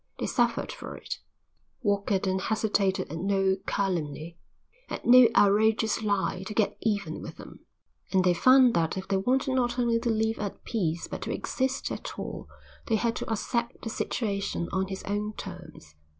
They suffered for it. Walker then hesitated at no calumny, at no outrageous lie, to get even with them, and they found that if they wanted not only to live at peace, but to exist at all, they had to accept the situation on his own terms.